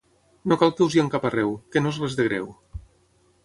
No cal que us hi encaparreu, que no és res de greu!